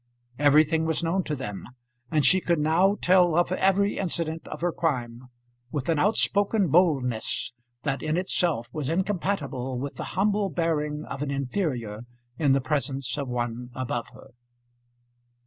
Everything was known to them, and she could now tell of every incident of her crime with an outspoken boldness that in itself was incompatible with the humble bearing of an inferior in the presence of one above her.